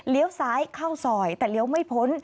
ซ้ายเข้าซอยแต่เลี้ยวไม่พ้น